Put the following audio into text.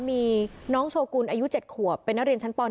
มีน้องโชกุลอายุ๗ขวบเป็นนักเรียนชั้นป๔